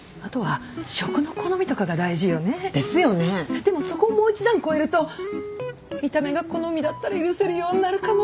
でもそこをもう一段越えると見た目が好みだったら許せるようになるかも。